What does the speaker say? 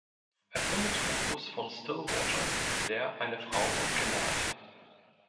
Er findet Fotos von Stillwater, der eine Frau und Kinder hat.